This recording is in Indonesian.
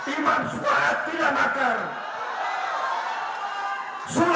imam suhaat tidak makar